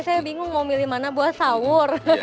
saya bingung mau milih mana buat sahur